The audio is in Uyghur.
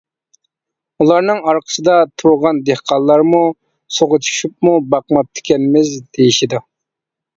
ئۇلارنىڭ ئارقىسىدا تۇرغان دېھقانلارمۇ: سۇغا چۈشۈپمۇ باقماپتىكەنمىز، دېيىشىدۇ.